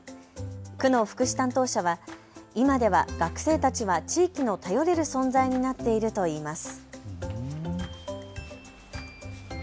区の福祉担当者は、今では学生たちは地域の頼れる存在になっているといいます。